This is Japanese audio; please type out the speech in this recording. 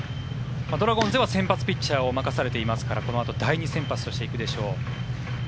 ドラゴンズでは先発ピッチャーを任されていますからこのあと第２先発として行くでしょう。